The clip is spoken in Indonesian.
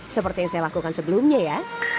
seperti yang saya lakukan sebelumnya ya